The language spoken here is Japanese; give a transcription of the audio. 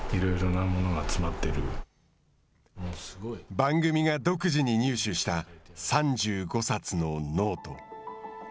番組が独自に入手した３５冊のノート。